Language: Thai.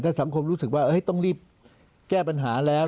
สังคมรู้สึกว่าต้องรีบแก้ปัญหาแล้ว